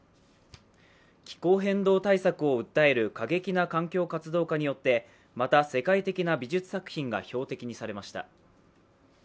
気候変動対策を訴える過激な環境活動家によってまた、世界的な美術作品が標的にされました。